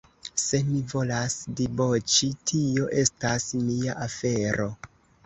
Se mi volas diboĉi, tio estas mia afero.